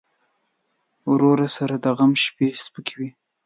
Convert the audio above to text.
ورور سره د غم شیبې سپکې وي.